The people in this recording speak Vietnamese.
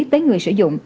tới người sử dụng